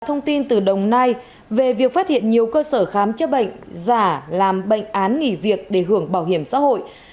thông tin từ đồng nai về việc phát hiện nhiều cơ sở khám chữa bệnh giả làm bệnh án nghỉ việc để hưởng bảo hiểm xã hội